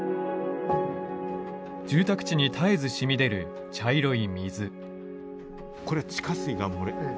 住宅地に絶えず染み出る茶色い水。